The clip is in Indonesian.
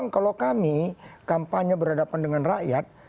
kalau kami kampanye berhadapan dengan rakyat